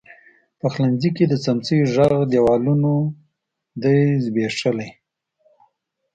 پخلنځي کې د څمڅۍ ږغ، دیوالونو دی زبیښلي